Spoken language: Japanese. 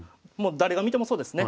誰が見てもそうですね。